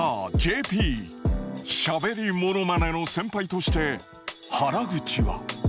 しゃべりモノマネの先輩として原口は。